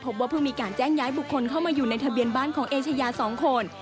พบว่าเพิ่งมีการแจ้งย้ายบุคคลเข้ามาอยู่ในทะเบียนบ้านของเอเชยา๒คน